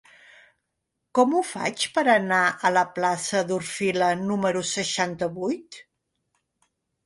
Com ho faig per anar a la plaça d'Orfila número seixanta-vuit?